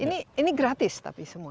ini gratis tapi semua